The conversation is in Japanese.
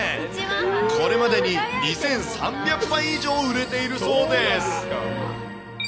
これまでに２３００杯以上売れているそうです。